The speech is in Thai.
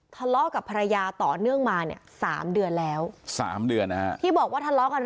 พ่อกับภรรยาต่อเนื่องมาเนี่ย๓เดือนแล้ว๓เดือนนะที่บอกว่าทะเลาะกัน